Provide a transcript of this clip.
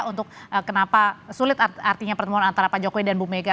untuk kenapa sulit artinya pertemuan antara pak jokowi dan bu mega